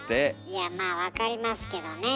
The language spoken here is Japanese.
いやまあ分かりますけどね。